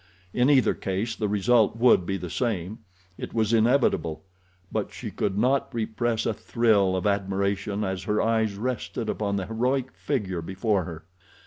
In either case the result would be the same—it was inevitable; but she could not repress a thrill of admiration as her eyes rested upon the heroic figure before her.